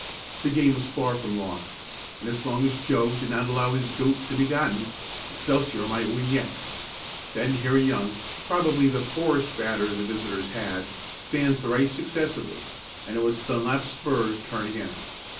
The game was far from lost, and as long as Joe did not allow his "goat" to be gotten, Excelsior might win yet. Then Harry Young, probably the poorest batter the visitors had, fanned thrice successively, and it was Dunlap Spurr's turn again.